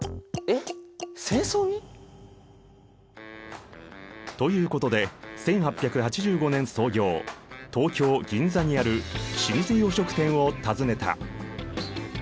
えっ戦争に！？ということで１８８５年創業東京・銀座にある老舗洋食店を訪ねた。